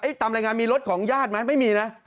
ตามรายงานมีรถของญาติไหมไม่มีนะ